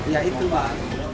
ya itu mahal